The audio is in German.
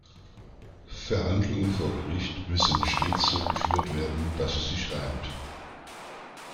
Verhandlungen vor Gericht müssen stets so geführt werden, dass es sich reimt.